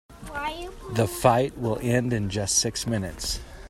The fight will end in just six minutes.